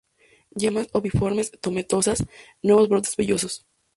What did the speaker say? Yemas oviformes-tomentosas, nuevos brotes vellosos.